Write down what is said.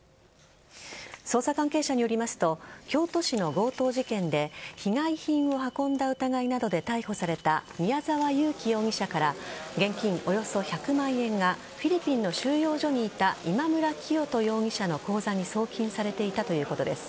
捜査関係者によりますと京都市の強盗事件で被害品を運んだ疑いなどで逮捕された宮沢優樹容疑者から現金およそ１００万円がフィリピンの収容所にいた今村磨人容疑者の口座に送金されていたということです。